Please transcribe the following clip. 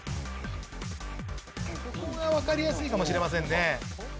ここが分かりやすいかもしれません。